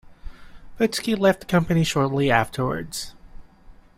Putski left the company shortly afterwards.